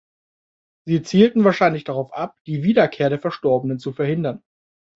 Sie zielen wahrscheinlich darauf ab, die Wiederkehr des Verstorbenen zu verhindern.